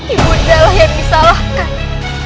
ibundalah yang bisa lakukan